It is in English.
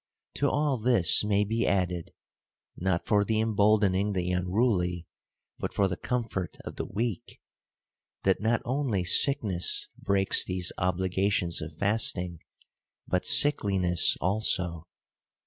To all this may be added — not for the emboldening the unruly, but for the comfort of the weak — that not only sickness breaks these obligations of fasting, but sickli ness also.